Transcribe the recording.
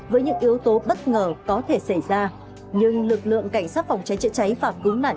với những yếu tố bất ngờ có thể xảy ra nhưng lực lượng cảnh sát phòng cháy chữa cháy và cứu nạn